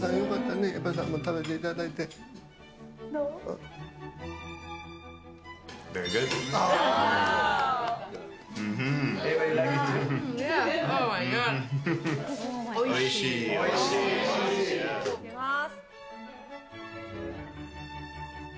いただきます。